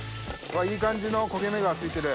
いい感じの焦げ目がついてる